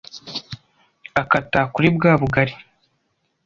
akata kuri bwa bugari